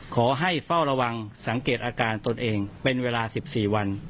เฝ้าระวังสังเกตอาการตนเองเป็นเวลา๑๔วัน